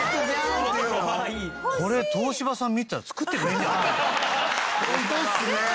これ東芝さん見てたら作ってくれるんじゃない？ねえ！